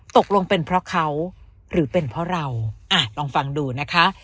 ตกลงเป็นเพราะเขาหรือเป็นเพราะเราอ่ะลองฟังดูนะคะ